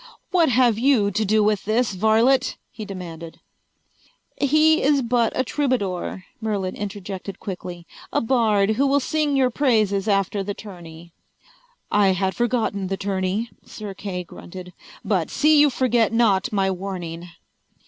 "What have you to do with this, varlet?" he demanded. "He is but a troubadour," Merlin interjected quickly. "A bard who will sing your praises after the tourney." "I had forgotten the tourney," Sir Kay grunted. "But see you forget not my warning."